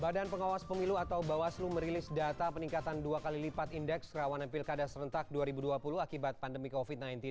badan pengawas pemilu atau bawaslu merilis data peningkatan dua kali lipat indeks kerawanan pilkada serentak dua ribu dua puluh akibat pandemi covid sembilan belas